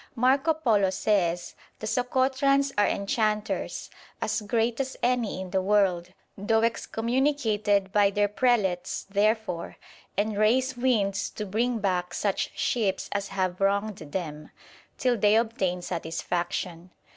Marco Polo says: 'The Sokotrans are enchanters, as great as any in the world, though excommunicated by their prelates therefor; and raise winds to bring back such ships as have wronged them, till they obtain satisfaction.'